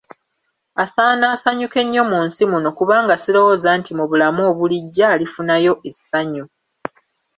Asaana asanyuke nnyo mu nsi muno kubanga sirowooza nti mu bulamu obulijja alifunayo essanyu.